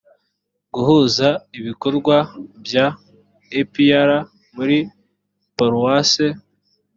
guhuza ibikorwa bya epr muri paruwase